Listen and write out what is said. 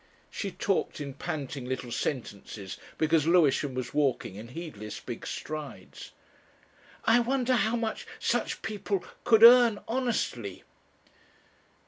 She talked in panting little sentences, because Lewisham was walking in heedless big strides. "I wonder how much such people could earn honestly."